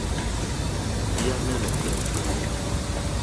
Bíá nɛ́ nɔ gbɛl-gbɛl.